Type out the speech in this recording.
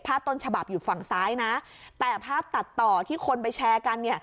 ต้นฉบับอยู่ฝั่งซ้ายนะแต่ภาพตัดต่อที่คนไปแชร์กันเนี่ย